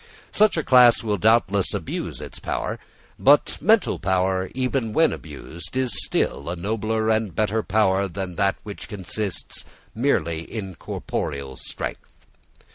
Such a class will doubtless abuse its power: but mental power, even when abused, is still a nobler and better power than that which consists merely in corporeal strength.